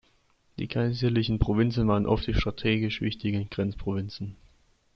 Die kaiserlichen Provinzen waren oft die strategisch wichtigen Grenzprovinzen.